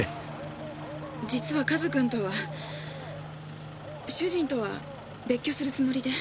実はカズ君とは主人とは別居するつもりで。